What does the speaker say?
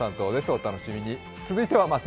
お楽しみに。